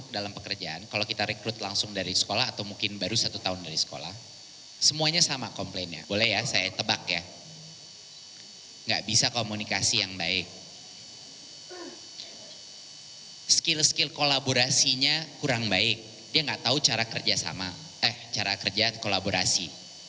dia tidak tahu cara kerja sama eh cara kerja kolaborasi